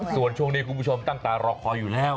ส่วนช่วงนี้คุณผู้ชมตั้งตารอคอยอยู่แล้ว